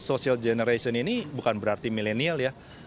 social generation ini bukan berarti milenial ya